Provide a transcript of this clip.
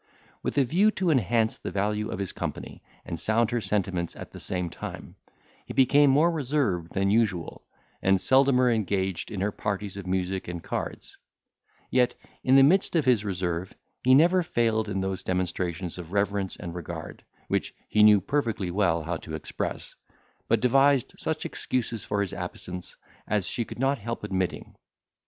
With a view to enhance the value of his company, and sound her sentiments at the same time, he became more reserved than usual, and seldomer engaged in her parties of music and cards; yet, in the midst of his reserve, he never failed in those demonstrations of reverence and regard, which he knew perfectly well how to express, but devised such excuses for his absence, as she could not help admitting.